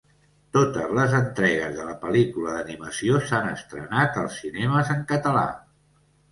Totes les entregues de la pel·lícula d'animació s'han estrenat als cinemes en català.